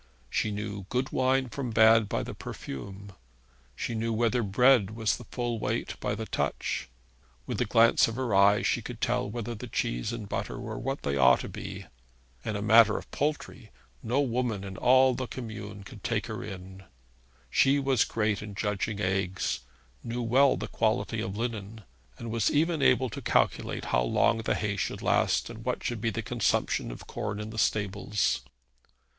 She knew good wine from bad by the perfume; she knew whether bread was the full weight by the touch; with a glance of her eye she could tell whether the cheese and butter were what they ought to be; in a matter of poultry no woman in all the commune could take her in; she was great in judging eggs; knew well the quality of linen; and was even able to calculate how long the hay should last, and what should be the consumption of corn in the stables.